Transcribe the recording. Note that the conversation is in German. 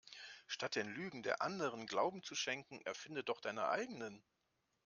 Statt den Lügen der Anderen Glauben zu schenken erfinde doch deine eigenen.